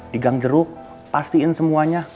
di gang cerut pastiin semuanya